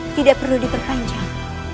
tidak perlu diperpanjang